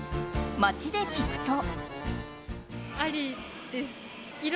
街で聞くと。